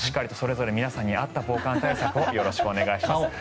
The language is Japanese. それぞれ皆さんに合った防寒対策をよろしくお願いします。